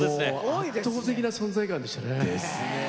圧倒的な存在感でしたね。